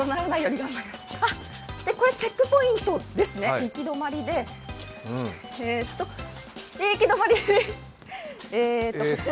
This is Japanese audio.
これはチェックポイントですね、行き止まりで、行き止まり。